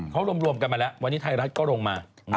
เขารวมกันมาแล้ววันนี้ไทยรัฐก็ลงมา